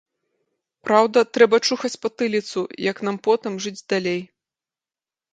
Праўда, трэба чухаць патыліцу, як нам потым жыць далей.